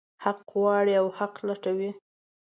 حق غواړي او حق لټوي.